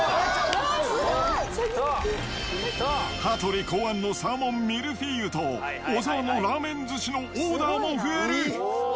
うわぁ、すごい！羽鳥考案のサーモンミルフィーユと小澤のラーメン寿司のオーダーも増える。